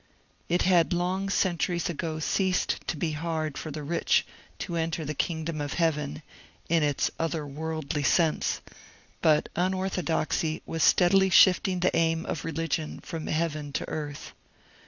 It had long centuries ago ceased to be hard for the rich to enter the " kingdom of heaven " in its * otherworldly ' sense, but unorthodoxy was steadily shifting the aim of reli gion from heaven to earth.